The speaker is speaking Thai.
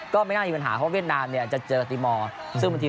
ก็ไม่น่ามีปัญหาเพราะเวียดนามเจอกษมติมอท